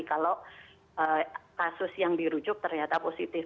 kalau kasus yang dirujuk ternyata positif